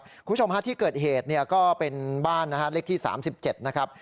คุณผู้ชมฮะที่เกิดเหตุก็เป็นบ้านเล็กที่๓๗นะครับ